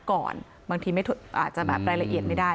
ก่อนอาจมันได้ละเอียดไม่ได้